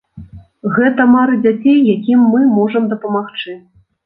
Гэта мары дзяцей, якім мы можам дапамагчы.